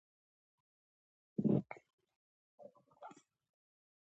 څېړنو ښودلې، چې طبیعي ډله له یونیمسلو کسانو څخه زیاته نه وي.